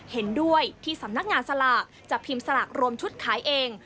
เห็นด้วยที่สำนักงานสลากจะพิมพ์สลากรวมชุดขายเอง